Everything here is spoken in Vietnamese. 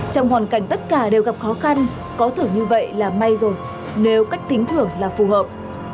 trong hoàn cảnh tất cả đều gặp khó khăn có thử như vậy là may rồi nếu cách tính thưởng là phù hợp